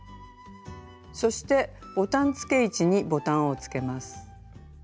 そしてボタンつけ位置にボタンをつけます。